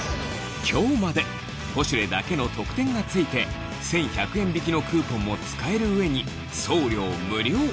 『ポシュレ』だけの特典が付いて１１００円引きのクーポンも使える上に送料無料